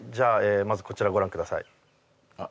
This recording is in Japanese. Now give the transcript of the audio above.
まずこちらをご覧くださいあっ